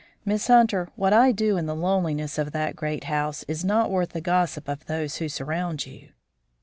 Miss Hunter, what I do in the loneliness of that great house is not worth the gossip of those who surround you."